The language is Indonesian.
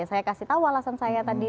saya kasih tahu alasan saya tadi